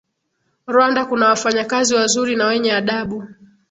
Rwanda kuna wafanyakazi wazuri na wenye adabu